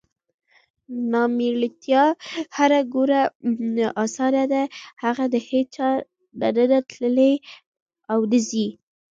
نامېړتیا هر ګوره اسانه ده هغه د هیچا نه نده تللې اونه ځي